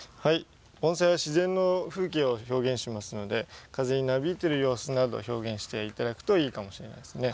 盆栽は自然の風景を表現しますので、風になびいている様子などを表現していただくといいかもしれないですね。